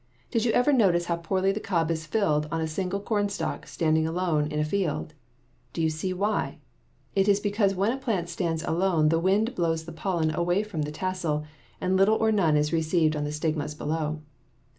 Did you ever notice how poorly the cob is filled on a single cornstalk standing alone in a field? Do you see why? It is because when a plant stands alone the wind blows the pollen away from the tassel, and little or none is received on the stigmas below.